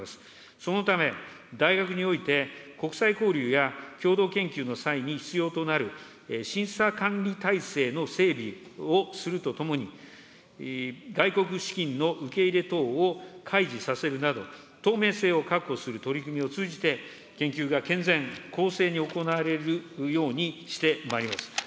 そのため、大学において国際交流や共同研究の際に必要となる審査管理体制の整備をするとともに、外国資金の受け入れ等を開示させるなど、透明性を確保する取り組みを通じて、研究が健全、公正に行われるようにしてまいります。